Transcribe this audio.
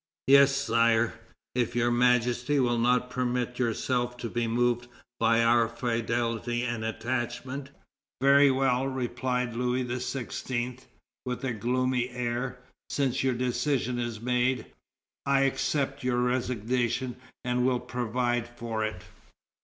"Yes, Sire, if Your Majesty will not permit yourself to be moved by our fidelity and attachment." "Very well," replied Louis XVI., with a gloomy air, "since your decision is made, I accept your resignation and will provide for it."